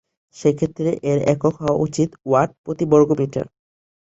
সেক্ষেত্রে এর একক হওয়া উচিত ওয়াট প্রতি বর্গমিটার।